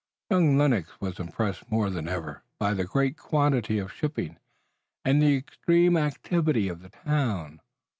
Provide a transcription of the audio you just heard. Young Lennox was impressed more than ever by the great quantity of shipping, and the extreme activity of the town.